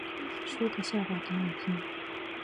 说个笑话给你听